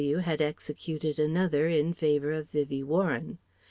W. had executed another in favour of Vivien Warren.